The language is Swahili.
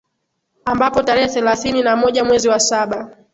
Ambapo tarehe thelathini na moja mwezi wa saba